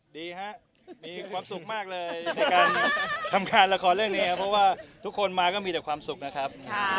ดีฮะมีความสุขมากเลยในการทำการละครเรื่องนี้ครับเพราะว่าทุกคนมาก็มีแต่ความสุขนะครับ